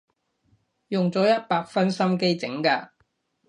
用咗一百分心機整㗎